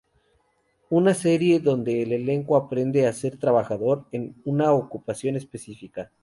Una serie donde el elenco aprende a ser trabajador en una ocupación específica.